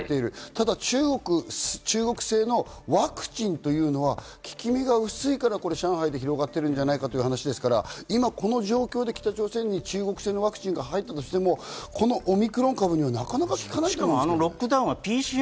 ただ中国製のワクチンというのは効き目が薄いから上海で広がってるんじゃないかという話ですから、この状況で北朝鮮に中国製のワクチンが入ったとしても、このオミクロン株にはなかなか効かないんじゃないですか？